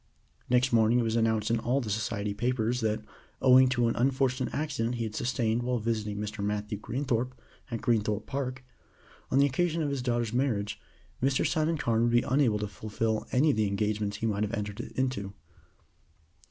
Next morning it was announced in all the Society papers that, owing to an unfortunate accident he had sustained while visiting Mr. Matthew Greenthorpe, at Greenthorpe Park, on the occasion of his daughter's marriage, Mr. Simon Carne would be unable to fulfill any of the engagements he might have entered into.